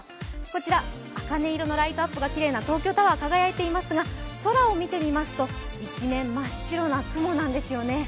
こちら茜色のライトアップがきれいな東京タワー、輝いていますが空を見てみますと、一面真っ白な雲なんですよね。